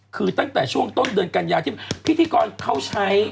คือตั้งแต่ช่วงต้นเดือนกันยาที่พิธีกรเขาใช้